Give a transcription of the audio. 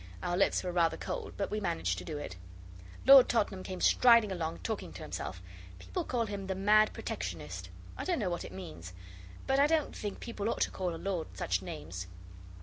Our lips were rather cold, but we managed to do it. Lord Tottenham came striding along, talking to himself. People call him the mad Protectionist. I don't know what it means but I don't think people ought to call a Lord such names.